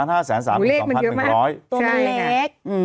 ตรงแลก